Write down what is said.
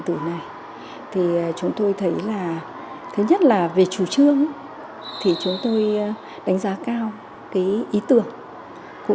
tử này thì chúng tôi thấy là thứ nhất là về chủ trương thì chúng tôi đánh giá cao cái ý tưởng cũng